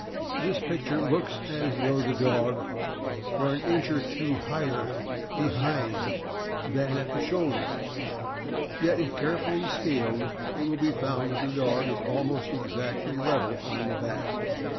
This picture looks as though the dog were an inch or two higher behind than at the shoulder, yet, if carefully scaled, it will be found that the dog is almost exactly level on the back.